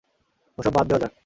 ওসব বাদ দেওয়া যাক।